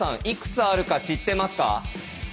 いくつあるか知ってますか？